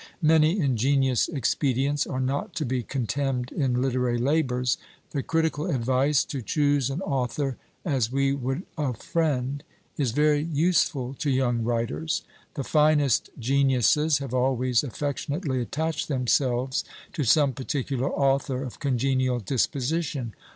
Many ingenious expedients are not to be contemned in literary labours. The critical advice, To choose an author as we would a friend, is very useful to young writers. The finest geniuses have always affectionately attached themselves to some particular author of congenial disposition.